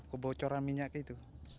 pecoran minyak itu